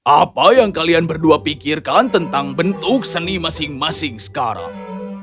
apa yang kalian berdua pikirkan tentang bentuk seni masing masing sekarang